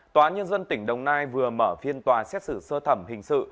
tòa nhân dân tỉnh đồng nai vừa mở phiên tòa xét xử sơ thẩm hình sự